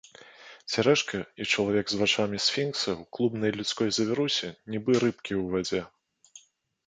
Цярэшка і чалавек з вачыма сфінкса ў клубнай людской завірусе, нібы рыбкі ў вадзе.